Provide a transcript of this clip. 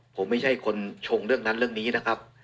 ผมไม่ใช่คนชงเรื่องนั้นเรื่องนี้นะครับ